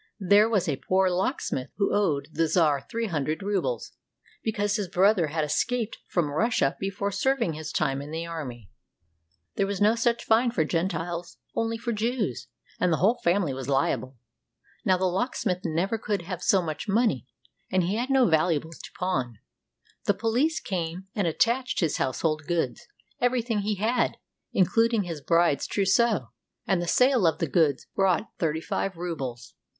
There was a poor locksmith who owed the czar three hundred rubles, because his brother had escaped from Russia before serving his time in the army. There ^ A ruble is worth fifty one and one half cents. 244 A LITTLE JEWISH GIRL IN RUSSL\ was no such fine for Gentiles, only for Jews; and the whole family was liable. Now the locksmith never could have so much money, and he had no valuables to pawn. The police came and attached his household goods, everything he had, including his bride's trousseau; and the sale of the goods brought thirty five rubles.